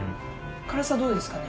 辛さどうですかね？